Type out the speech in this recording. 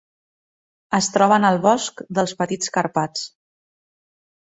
Es troba en el bosc dels Petits Carpats.